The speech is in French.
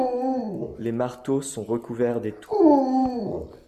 Les marteaux sont recouverts d'étoupe.